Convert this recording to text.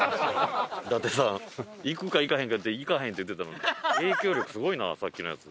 伊達さん行くか行かへんかって行かへんって言ってたのに影響力すごいなさっきのやつ。